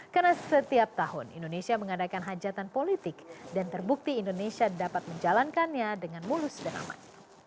karena setiap tahun indonesia mengadakan hajatan politik dan terbukti indonesia dapat menjalankannya dengan mulus dan aman